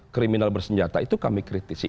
kriminal bersenjata itu kami kritisi